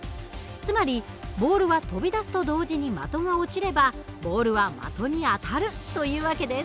つまりボールは飛び出すと同時に的が落ちればボールは的に当たるという訳です。